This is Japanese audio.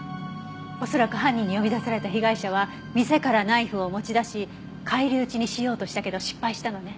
恐らく犯人に呼び出された被害者は店からナイフを持ち出し返り討ちにしようとしたけど失敗したのね。